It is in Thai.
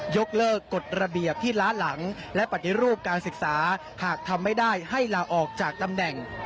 ยกเลิกกฎระเบียบที่ล้าหลังและปฏิรูปการศึกษาหากทำไม่ได้ให้ลาออกจากตำแหน่ง